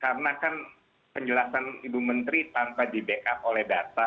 karena kan penjelasan ibu menteri tanpa di backup oleh data